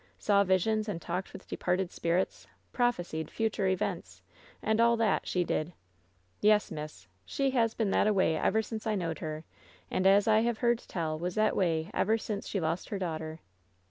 Saw visions and talked with departed spirits, prophesied future events, and all that, she did ! Yes, miss. She has been that a way ever since I knowed her, and as I have heard tell, was that a way ever since she lost her daughter."